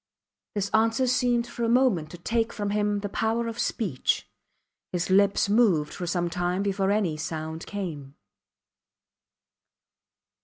This answer seemed for a moment to take from him the power of speech. His lips moved for some time before any sound came.